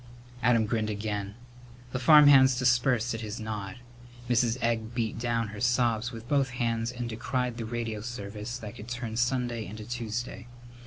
Adam grinned again. The farmhands dispersed at his nod. Mrs. Egg beat down her sobs with both hands and decried the radio service that could turn Sunday into Tuesday.